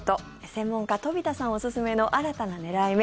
専門家、飛田さんおすすめの新たな狙い目